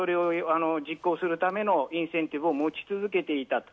ですので、それを実行するためのインセンティブを持ち続けていたと。